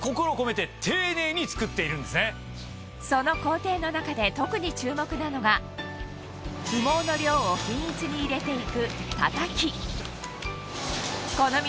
その工程の中で特に注目なのが羽毛の量を均一に入れていくこの道